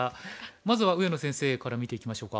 まずは上野先生から見ていきましょうか。